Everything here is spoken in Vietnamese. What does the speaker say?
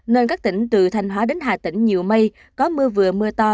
nên các tỉnh từ thanh hóa đến hà tĩnh nhiều mây có mưa vừa mưa to